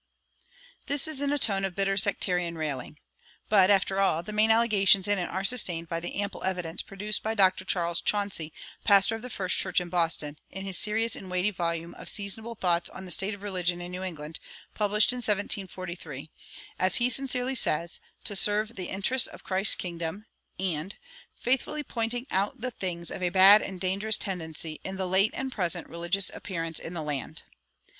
"[170:1] This is in a tone of bitter sectarian railing. But, after all, the main allegations in it are sustained by the ample evidence produced by Dr. Charles Chauncy, pastor of the First Church in Boston, in his serious and weighty volume of "Seasonable Thoughts on the State of Religion in New England," published in 1743, as he sincerely says, "to serve the interests of Christ's kingdom," and "faithfully pointing out the things of a bad and dangerous tendency in the late and present religious appearance in the land."